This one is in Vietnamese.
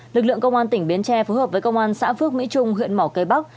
lực lượng công an tỉnh bến tre phối hợp với công an xã phước mỹ trung huyện mỏ cây bắc